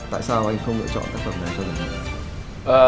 tại sao anh không lựa chọn tác phẩm này cho giải nhì